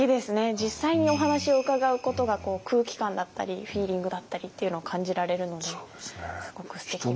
実際にお話を伺うことが空気感だったりフィーリングだったりっていうのを感じられるのですごくすてきな。